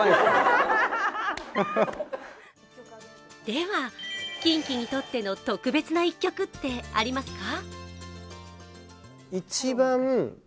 では、ＫｉｎＫｉにとっての特別な一曲ってありますか？